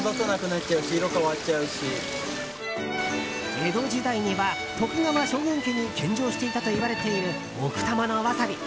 江戸時代には徳川将軍家に献上していたとされる奥多摩のワサビ